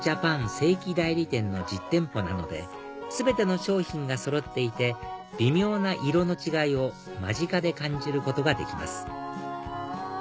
正規代理店の実店舗なので全ての商品がそろっていて微妙な色の違いを間近で感じることができます